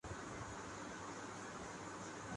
اس کی تشہیر پورے ملک میں ہوتی تھی۔